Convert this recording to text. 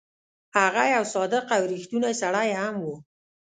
هغه یو صادق او ریښتونی سړی هم وو.